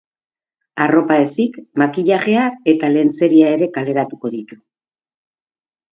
Arropa ezik, makillajea eta lentzeria ere kaleratuko ditu.